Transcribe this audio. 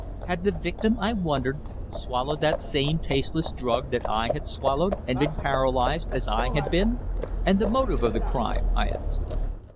Had the victim, I wondered, swallowed that same tasteless drug that I had swallowed, and been paralysed, as I had been? "And the motive of the crime?" I asked.